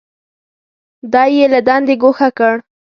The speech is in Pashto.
دی یې له دندې ګوښه کړ.